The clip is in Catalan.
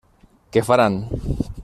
Què faran?